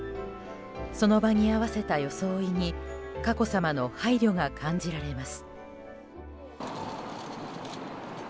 その場に合わせた装いに佳子さまの配慮が感じられます。